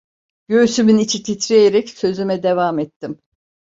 Göğsümün içi titreyerek, sözüme devam ettim.